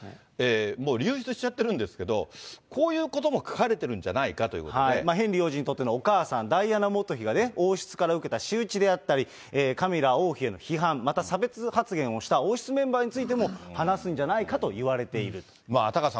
もう、流出しちゃってるんですが、こういうことも書かれてるんじゃヘンリー王子にとってのお母さん、ダイアナ元妃がね、王室から受けた仕打ちであったり、カミラ王妃への批判、また差別発言をした王室メンバーについても話すんじゃないかといタカさん